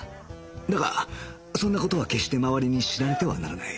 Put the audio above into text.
だがそんな事は決して周りに知られてはならない